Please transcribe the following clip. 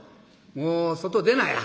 もう外出なや。